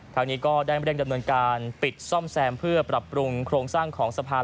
ทางนี้ก็ได้เร่งดำเนินการปิดซ่อมแซมเพื่อปรับปรุงโครงสร้างของสะพาน